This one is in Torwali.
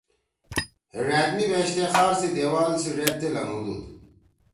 ہے ڙأد می بیشتے خار سی دیوال سی ڙیدتے لھنگُودُود۔